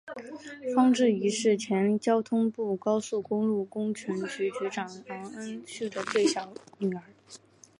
方智怡是前交通部高速公路工程局局长方恩绪的最小的女儿。